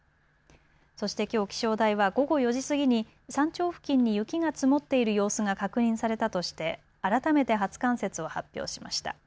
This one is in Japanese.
そしてきょう気象台は午後４時過ぎに山頂付近に雪が積もっている様子が確認されたとして改めて初冠雪を発表しました。